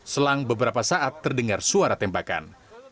selang beberapa saat terdengar suara tembakan